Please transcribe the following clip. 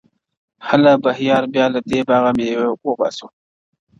هله بهیاره بیا له دې باغه مېوې وباسو،